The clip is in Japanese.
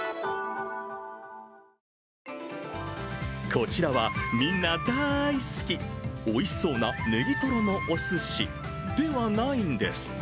こちらは、みんな大好き、おいしそうなネギトロのおすしではないんです。